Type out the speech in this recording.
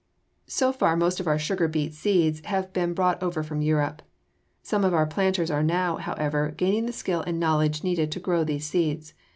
So far most of our sugar beet seeds have been brought over from Europe. Some of our planters are now, however, gaining the skill and the knowledge needed to grow these seeds.